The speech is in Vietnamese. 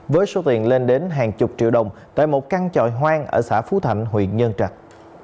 với số tiền lên đến hàng chục triệu đồng tại một căn chọi hoang ở xã phú thạnh huyện nhân trạch